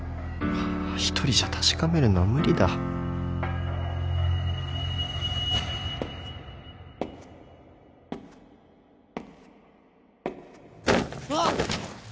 １人じゃ確かめるのは無理だ・・うわっ！